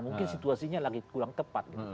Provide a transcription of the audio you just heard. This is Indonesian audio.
mungkin situasinya lagi kurang tepat gitu